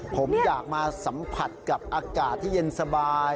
ผมอยากมาสัมผัสกับอากาศที่เย็นสบาย